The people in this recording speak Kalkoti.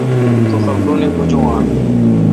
تو خبرونی بجون آں؟